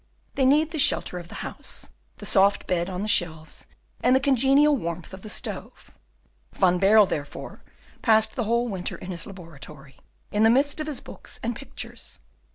They need the shelter of the house, the soft bed on the shelves, and the congenial warmth of the stove. Van Baerle, therefore, passed the whole winter in his laboratory, in the midst of his books and pictures.